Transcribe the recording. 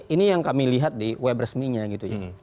ini yang kami lihat di web resminya gitu ya